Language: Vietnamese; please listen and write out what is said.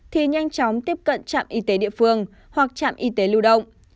thì nhanh chóng tiếp cận trạm y tế địa phương hoặc trạm y tế lưu động